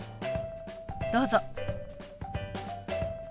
どうぞ。